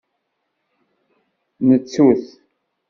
Nettu-t.